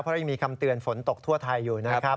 เพราะยังมีคำเตือนฝนตกทั่วไทยอยู่นะครับ